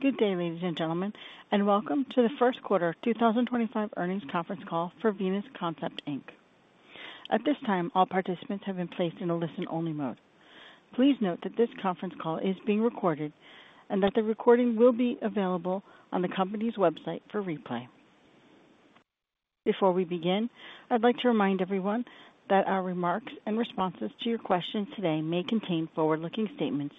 Good day, ladies and gentlemen, and welcome to the first quarter 2025 earnings conference call for Venus Concept. At this time, all participants have been placed in a listen-only mode. Please note that this conference call is being recorded and that the recording will be available on the company's website for replay. Before we begin, I'd like to remind everyone that our remarks and responses to your questions today may contain forward-looking statements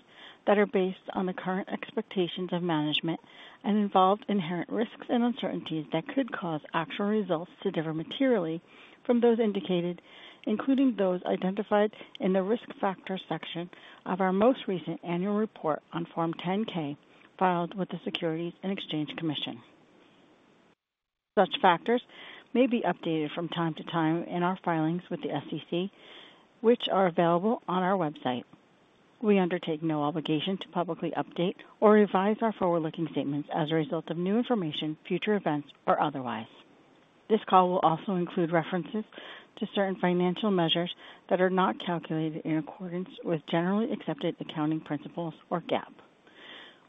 that are based on the current expectations of management and involve inherent risks and uncertainties that could cause actual results to differ materially from those indicated, including those identified in the risk factor section of our most recent annual report on Form 10-K filed with the Securities and Exchange Commission. Such factors may be updated from time to time in our filings with the SEC, which are available on our website. We undertake no obligation to publicly update or revise our forward-looking statements as a result of new information, future events, or otherwise. This call will also include references to certain financial measures that are not calculated in accordance with generally accepted accounting principles or GAAP.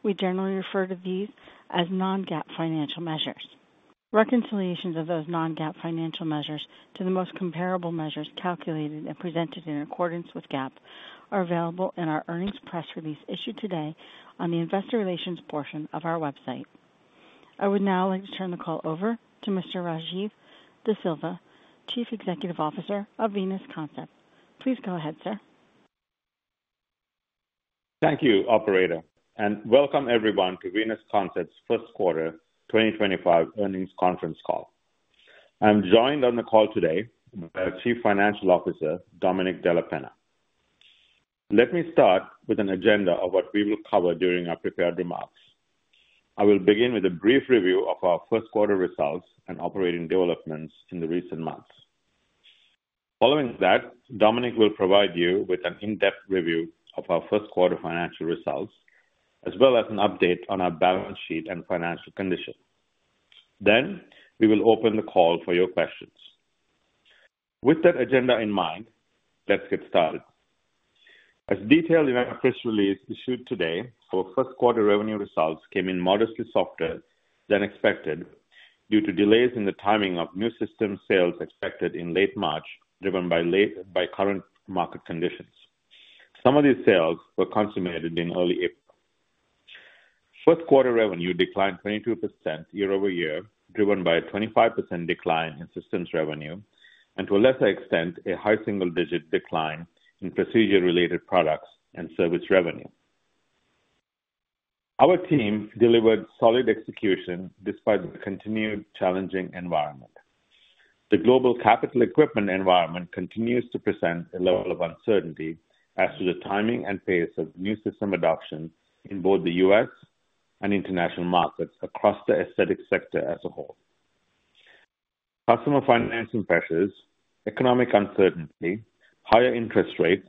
We generally refer to these as non-GAAP financial measures. Reconciliations of those Non-GAAP financial measures to the most comparable measures calculated and presented in accordance with GAAP are available in our earnings press release issued today on the investor relations portion of our website. I would now like to turn the call over to Mr. Rajiv De Silva, Chief Executive Officer of Venus Concept. Please go ahead, sir. Thank you, Operator, and welcome everyone to Venus Concept's first quarter 2025 earnings conference call. I'm joined on the call today by Chief Financial Officer, Domenic Penna. Let me start with an agenda of what we will cover during our prepared remarks. I will begin with a brief review of our first quarter results and operating developments in the recent months. Following that, Domenic will provide you with an in-depth review of our first quarter financial results, as well as an update on our balance sheet and financial condition. Then we will open the call for your questions. With that agenda in mind, let's get started. As detailed in our press release issued today, our first quarter revenue results came in modestly softer than expected due to delays in the timing of new system sales expected in late March, driven by current market conditions. Some of these sales were consummated in early April. First quarter revenue declined 22% Year-over-Year, driven by a 25% decline in systems revenue and, to a lesser extent, a high single-digit decline in procedure-related products and service revenue. Our team delivered solid execution despite the continued challenging environment. The global capital equipment environment continues to present a level of uncertainty as to the timing and pace of new system adoption in both the U.S. and international markets across the aesthetic sector as a whole. Customer financing pressures, economic uncertainty, higher interest rates,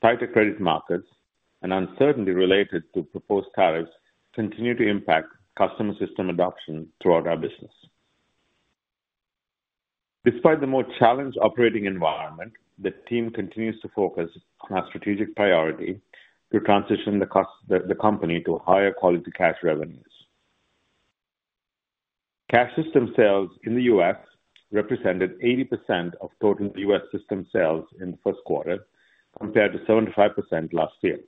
tighter credit markets, and uncertainty related to proposed tariffs continue to impact customer system adoption throughout our business. Despite the more challenged operating environment, the team continues to focus on our strategic priority to transition the company to higher quality cash revenues. Cash system sales in the U.S. represented 80% of total U.S. system sales in the first quarter, compared to 75% last year.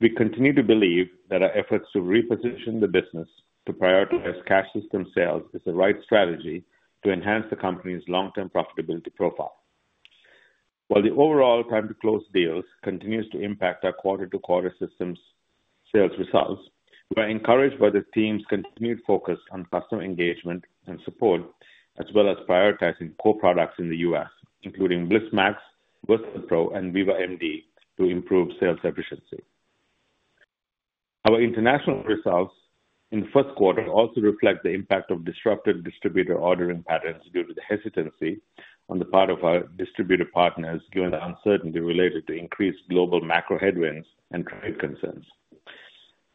We continue to believe that our efforts to reposition the business to prioritize cash system sales is the right strategy to enhance the company's long-term profitability profile. While the overall time to close deals continues to impact our Quarter-to-Quarter systems sales results, we are encouraged by the team's continued focus on customer engagement and support, as well as prioritizing co-products in the U.S., including Bliss Max, VersaPro, and Viva MD, to improve sales efficiency. Our international results in the first quarter also reflect the impact of disrupted distributor ordering patterns due to the hesitancy on the part of our distributor partners, given the uncertainty related to increased global macro headwinds and trade concerns.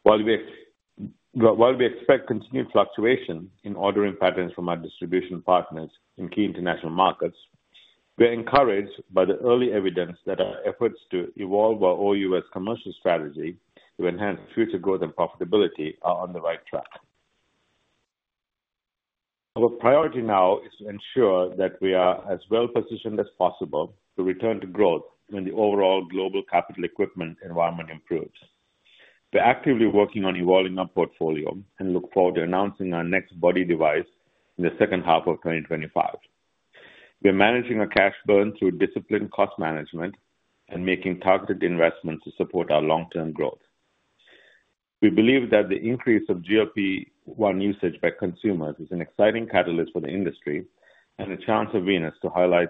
While we expect continued fluctuation in ordering patterns from our distribution partners in key international markets, we are encouraged by the early evidence that our efforts to evolve our all-U.S. commercial strategy to enhance future growth and profitability are on the right track. Our priority now is to ensure that we are as well positioned as possible to return to growth when the overall global capital equipment environment improves. We are actively working on evolving our portfolio and look forward to announcing our next body device in the second half of 2025. We are managing our cash burn through disciplined cost management and making targeted investments to support our long-term growth. We believe that the increase of GLP-1 usage by consumers is an exciting catalyst for the industry and a chance for Venus to highlight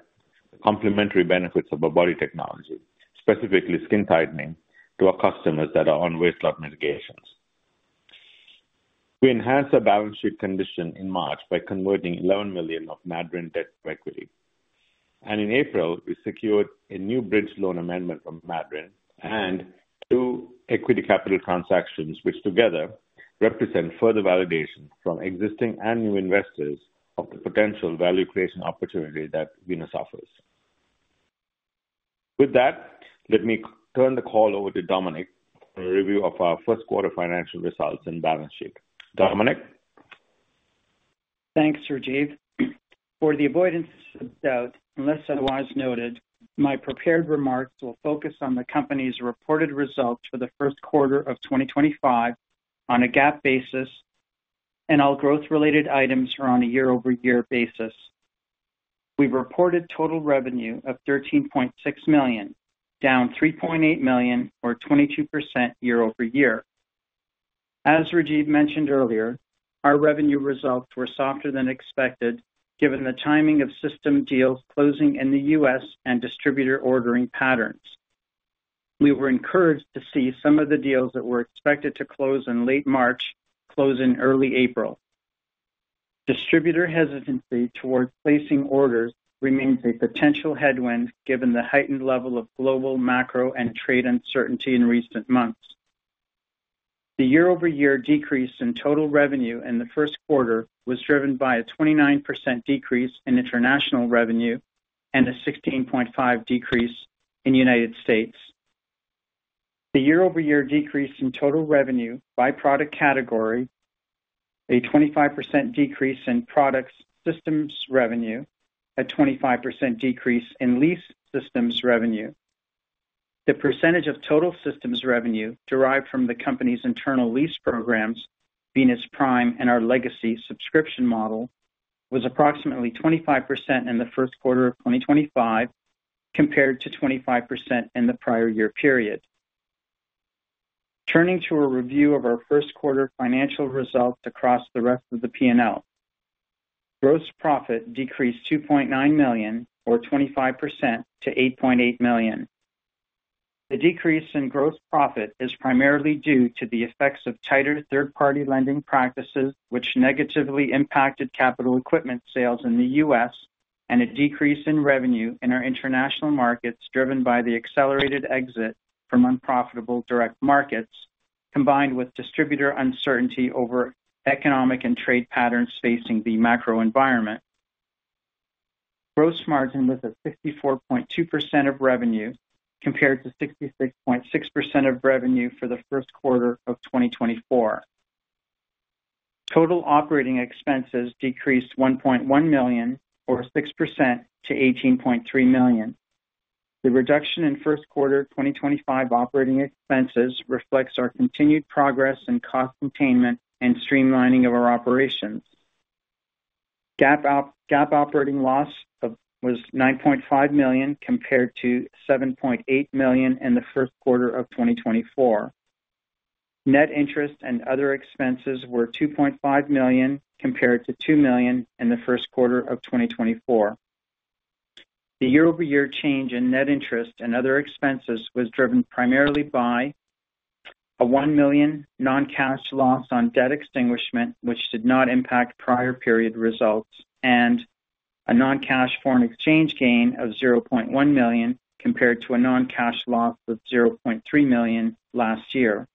the complementary benefits of our body technology, specifically skin tightening, to our customers that are on weight loss mitigations. We enhanced our balance sheet condition in March by converting $11 million of Madryn debt to equity. In April, we secured a new bridge loan amendment from Madryn and two equity capital transactions, which together represent further validation from existing and new investors of the potential value creation opportunity that Venus offers. With that, let me turn the call over to Domenic for a review of our first quarter financial results and balance sheet. Domenic. Thanks, Rajiv. For the avoidance of doubt, unless otherwise noted, my prepared remarks will focus on the company's reported results for the first quarter of 2025 on a GAAP basis, and all growth-related items are on a Year-over-Year basis. We reported total revenue of $13.6 million, down $3.8 million, or 22% Year-over-Year. As Rajiv mentioned earlier, our revenue results were softer than expected, given the timing of system deals closing in the U.S. and distributor ordering patterns. We were encouraged to see some of the deals that were expected to close in late March close in early April. Distributor hesitancy towards placing orders remains a potential headwind, given the heightened level of global macro and trade uncertainty in recent months. The year-over-year decrease in total revenue in the first quarter was driven by a 29% decrease in international revenue and a 16.5% decrease in the United States. The Year-over-Year decrease in total revenue by product category, a 25% decrease in product systems revenue, a 25% decrease in lease systems revenue. The percentage of total systems revenue derived from the company's internal lease programs, Venus Prime and our legacy subscription model, was approximately 25% in the first quarter of 2025 compared to 25% in the prior year period. Turning to a review of our first quarter financial results across the rest of the P&L, gross profit decreased $2.9 million, or 25%, to $8.8 million. The decrease in gross profit is primarily due to the effects of tighter third-party lending practices, which negatively impacted capital equipment sales in the U.S., and a decrease in revenue in our international markets driven by the accelerated exit from unprofitable direct markets, combined with distributor uncertainty over economic and trade patterns facing the macro environment. Gross margin was at 54.2% of revenue compared to 66.6% of revenue for the first quarter of 2024. Total operating expenses decreased $1.1 million, or 6%, to $18.3 million. The reduction in first quarter 2025 operating expenses reflects our continued progress in cost containment and streamlining of our operations. GAAP operating loss was $9.5 million compared to $7.8 million in the first quarter of 2024. Net interest and other expenses were $2.5 million compared to $2 million in the first quarter of 2024. The Year-over-Year change in net interest and other expenses was driven primarily by a $1 million non-cash loss on debt extinguishment, which did not impact prior period results, and a non-cash foreign exchange gain of $0.1 million compared to a non-cash loss of $0.3 million last year,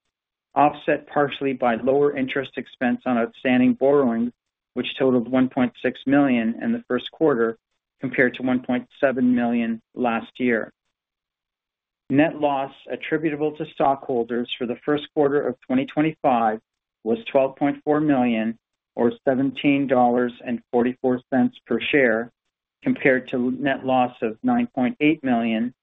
offset partially by lower interest expense on outstanding borrowing, which totaled $1.6 million in the first quarter compared to $1.7 million last year. Net loss attributable to stockholders for the first quarter of 2025 was $12.4 million, or $17.44 per share, compared to net loss of $9.8 million,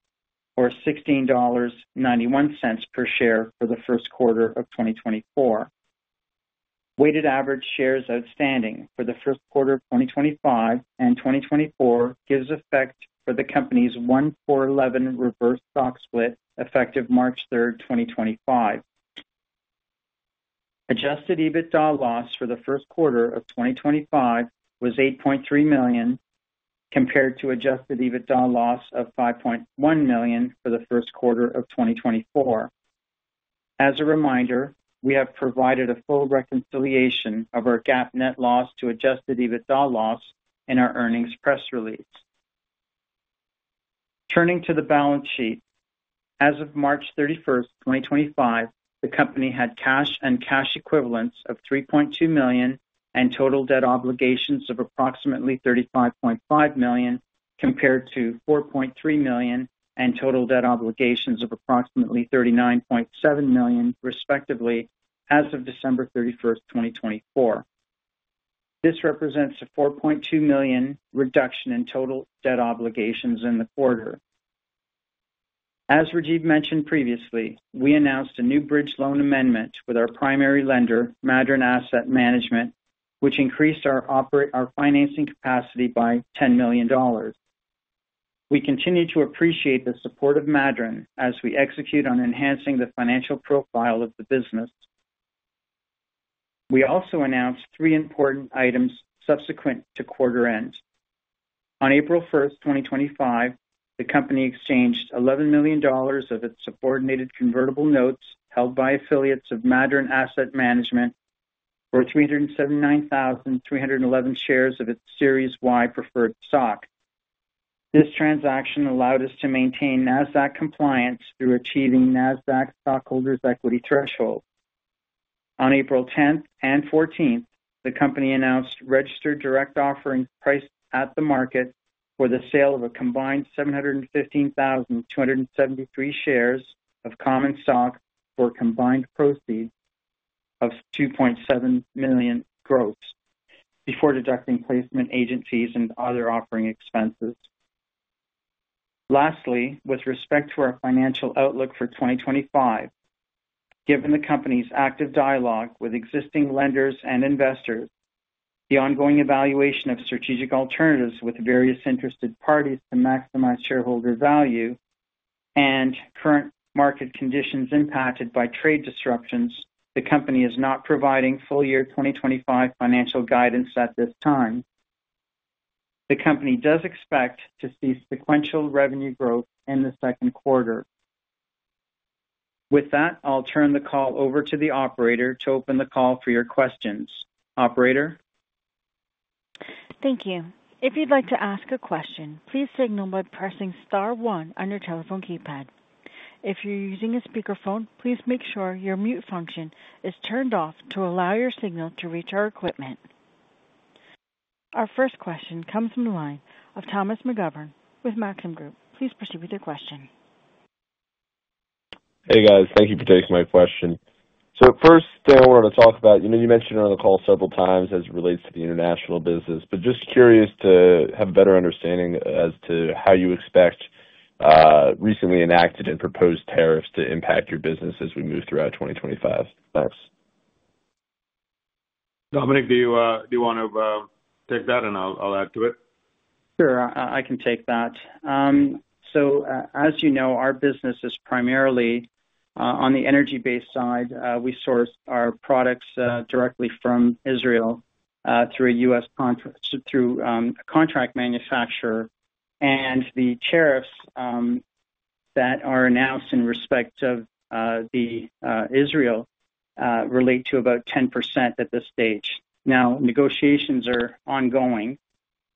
or $16.91 per share for the first quarter of 2024. Weighted average shares outstanding for the first quarter of 2025 and 2024 gives effect for the company's 1-for-11 reverse stock split effective March 3, 2025. Adjusted EBITDA loss for the first quarter of 2025 was $8.3 million compared to adjusted EBITDA loss of $5.1 million for the first quarter of 2024. As a reminder, we have provided a full reconciliation of our GAAP net loss to adjusted EBITDA loss in our earnings press release. Turning to the balance sheet, as of March 31, 2025, the company had cash and cash equivalents of $3.2 million and total debt obligations of approximately $35.5 million compared to $4.3 million and total debt obligations of approximately $39.7 million, respectively, as of December 31, 2024. This represents a $4.2 million reduction in total debt obligations in the quarter. As Rajiv mentioned previously, we announced a new bridge loan amendment with our primary lender, Madryn Asset Management, which increased our financing capacity by $10 million. We continue to appreciate the support of Madryn as we execute on enhancing the financial profile of the business. We also announced three important items subsequent to quarter end. On April 1, 2025, the company exchanged $11 million of its subordinated convertible notes held by affiliates of Madryn Asset Management for 379,311 shares of its Series Y preferred stock. This transaction allowed us to maintain NASDAQ compliance through achieving NASDAQ stockholders' equity threshold. On April 10 and 14, the company announced registered direct offering priced at the market for the sale of a combined 715,273 shares of common stock for combined proceeds of $2.7 million gross before deducting placement agencies and other offering expenses. Lastly, with respect to our financial outlook for 2025, given the company's active dialogue with existing lenders and investors, the ongoing evaluation of strategic alternatives with various interested parties to maximize shareholder value, and current market conditions impacted by trade disruptions, the company is not providing full year 2025 financial guidance at this time. The company does expect to see sequential revenue growth in the second quarter. With that, I'll turn the call over to the operator to open the call for your questions. Operator. Thank you. If you'd like to ask a question, please signal by pressing star one on your telephone keypad. If you're using a speakerphone, please make sure your mute function is turned off to allow your signal to reach our equipment. Our first question comes from the line of Thomas McGovern with Maxim Group. Please proceed with your question. Hey, guys. Thank you for taking my question. First, I want to talk about, you know, you mentioned on the call several times as it relates to the international business, but just curious to have a better understanding as to how you expect recently enacted and proposed tariffs to impact your business as we move throughout 2025. Thanks. Domenic, do you want to take that, and I'll add to it? Sure. I can take that. As you know, our business is primarily on the energy-based side. We source our products directly from Israel through a U.S. contract manufacturer. The tariffs that are announced in respect of Israel relate to about 10% at this stage. Negotiations are ongoing,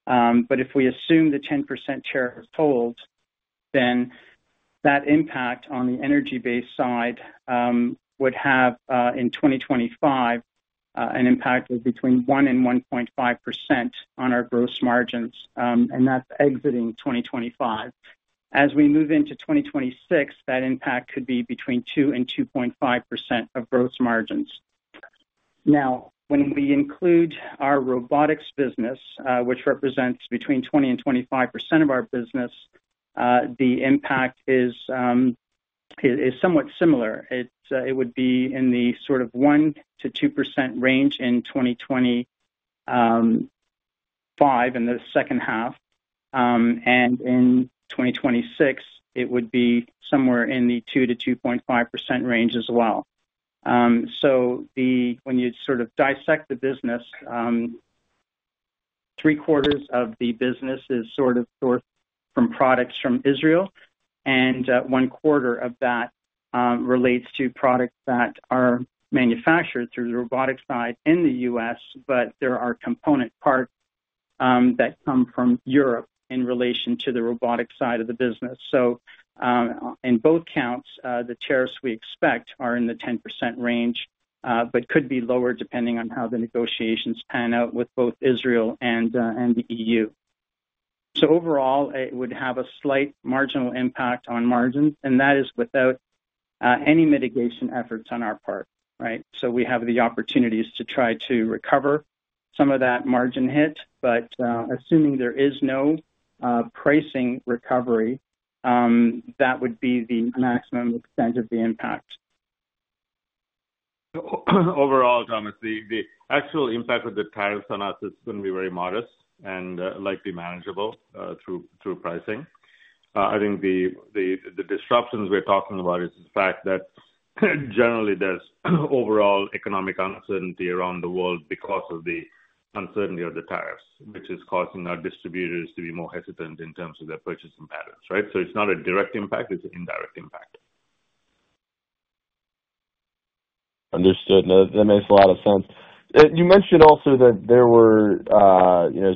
but if we assume the 10% tariffs hold, then that impact on the energy-based side would have, in 2025, an impact of between 1-1.5% on our gross margins, and that is exiting 2025. As we move into 2026, that impact could be between 2-2.5% of gross margins. When we include our robotics business, which represents between 20-25% of our business, the impact is somewhat similar. It would be in the 1-2% range in 2025 and the second half. In 2026, it would be somewhere in the 2-2.5% range as well. When you sort of dissect the business, three quarters of the business is sort of sourced from products from Israel, and one quarter of that relates to products that are manufactured through the robotics side in the U.S., but there are component parts that come from Europe in relation to the robotics side of the business. In both counts, the tariffs we expect are in the 10% range, but could be lower depending on how the negotiations pan out with both Israel and the EU. Overall, it would have a slight marginal impact on margins, and that is without any mitigation efforts on our part, right? We have the opportunities to try to recover some of that margin hit, but assuming there is no pricing recovery, that would be the maximum extent of the impact. Overall, Thomas, the actual impact of the tariffs on us is going to be very modest and likely manageable through pricing. I think the disruptions we're talking about is the fact that generally there's overall economic uncertainty around the world because of the uncertainty of the tariffs, which is causing our distributors to be more hesitant in terms of their purchasing patterns, right? It is not a direct impact, it is an indirect impact. Understood. That makes a lot of sense. You mentioned also that there were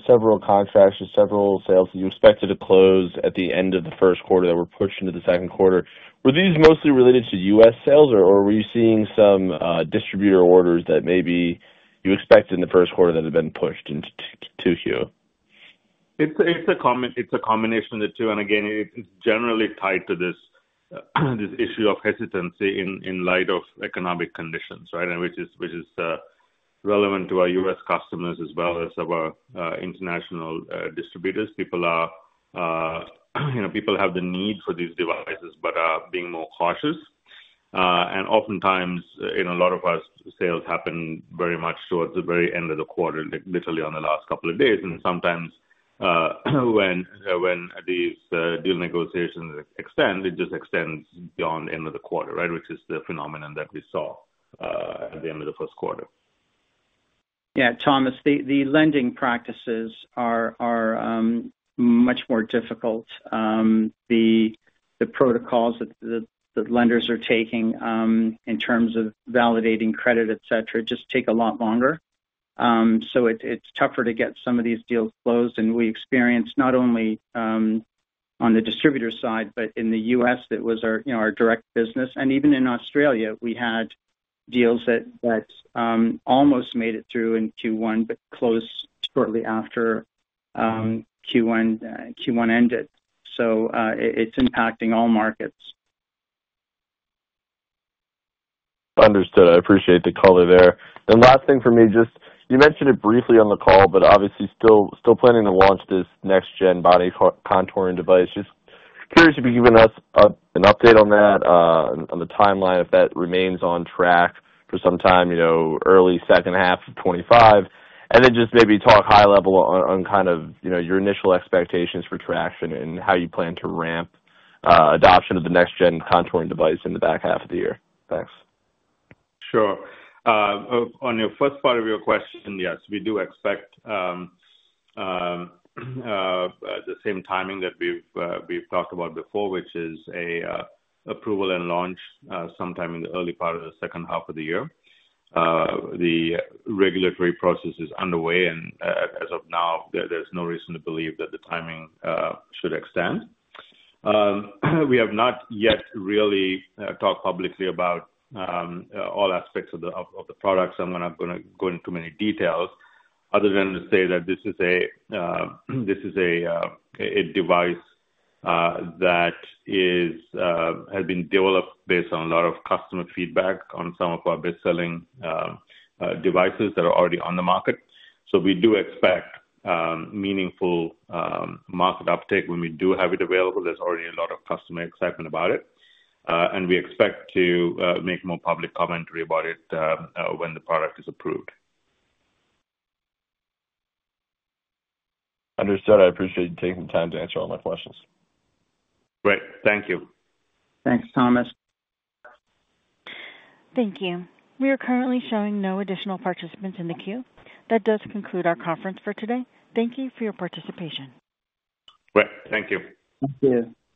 several contracts and several sales that you expected to close at the end of the first quarter that were pushed into the second quarter. Were these mostly related to U.S. sales, or were you seeing some distributor orders that maybe you expected in the first quarter that had been pushed into here? It's a combination of the two. Again, it's generally tied to this issue of hesitancy in light of economic conditions, right, which is relevant to our U.S. customers as well as our international distributors. People have the need for these devices but are being more cautious. Oftentimes, a lot of our sales happen very much towards the very end of the quarter, literally on the last couple of days. Sometimes when these deal negotiations extend, it just extends beyond the end of the quarter, right, which is the phenomenon that we saw at the end of the first quarter. Yeah, Thomas, the lending practices are much more difficult. The protocols that the lenders are taking in terms of validating credit, et cetera, just take a lot longer. It is tougher to get some of these deals closed. We experienced not only on the distributor side, but in the U.S., that was our direct business. Even in Australia, we had deals that almost made it through in Q1, but closed shortly after Q1 ended. It is impacting all markets. Understood. I appreciate the color there. Last thing for me, just you mentioned it briefly on the call, but obviously still planning to launch this next-gen body contouring device. Just curious if you could give us an update on that, on the timeline, if that remains on track for some time, you know, early second half of 25. Just maybe talk high level on kind of your initial expectations for traction and how you plan to ramp adoption of the next-gen contouring device in the back half of the year. Thanks. Sure. On the first part of your question, yes, we do expect the same timing that we've talked about before, which is an approval and launch sometime in the early part of the second half of the year. The regulatory process is underway, and as of now, there's no reason to believe that the timing should extend. We have not yet really talked publicly about all aspects of the products. I'm not going to go into too many details other than to say that this is a device that has been developed based on a lot of customer feedback on some of our best-selling devices that are already on the market. We do expect meaningful market uptake when we do have it available. There's already a lot of customer excitement about it. We expect to make more public commentary about it when the product is approved. Understood. I appreciate you taking the time to answer all my questions. Great. Thank you. Thanks, Thomas. Thank you. We are currently showing no additional participants in the queue. That does conclude our conference for today. Thank you for your participation. Great. Thank you. Thank you.